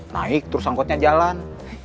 naik terus angkotnya jalan